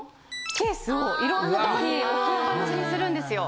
ケースをいろんなとこに置きっぱなしにするんですよ。